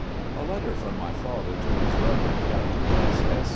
A letter from my father to his brother Captain S. S.